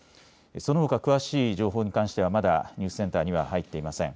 そのほか詳しい情報に関してはまだニュースセンターには入っていません。